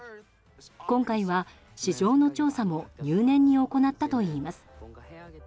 今回は市場の調査も入念に行ったといいます。